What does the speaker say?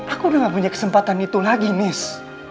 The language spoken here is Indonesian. aku udah gak punya kesempatan itu lagi nis